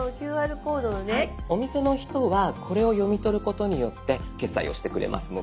お店の人はこれを読み取ることによって決済をしてくれますので。